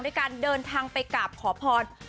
การเดินทางไปกราบขอพร